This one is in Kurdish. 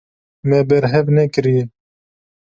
Me berhev nekiriye.